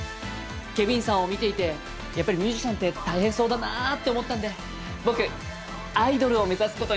ケビンさんを見ていてやっぱりミュージシャンって大変そうだなって思ったんで僕アイドルを目指す事にしました。